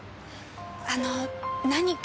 あの何か？